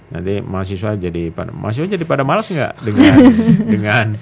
nanti mahasiswa jadi pada malas gak ya